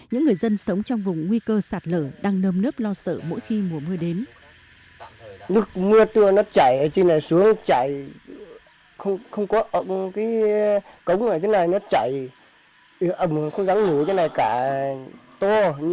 những người dân sống trong vùng nguy cơ sạt lở đang nâm nớp lo sợ mỗi khi mùa mưa đến